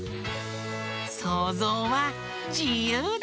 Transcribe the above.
そうぞうはじゆうだ！